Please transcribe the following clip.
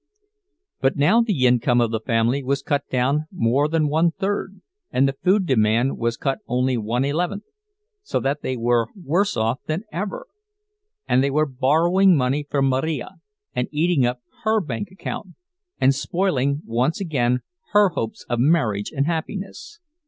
But now the income of the family was cut down more than one third, and the food demand was cut only one eleventh, so that they were worse off than ever. Also they were borrowing money from Marija, and eating up her bank account, and spoiling once again her hopes of marriage and happiness.